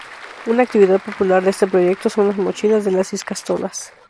Una actividad popular de este proyecto son las "mochilas" de las ikastolas.